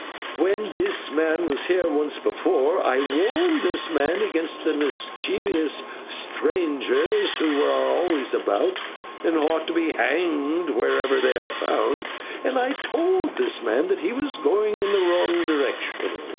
When this man was here once before, I warned this man against the mischievous strangers who are always about—and who ought to be hanged wherever they are found—and I told this man that he was going in the wrong direction.